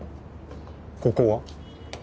ここは？